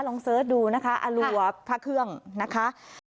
เสิร์ชดูนะคะอรัวพระเครื่องนะคะ